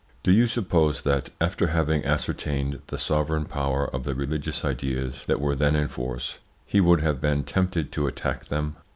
Do you suppose that, after having ascertained the sovereign power of the religious ideas that were then in force, he would have been tempted to attack them?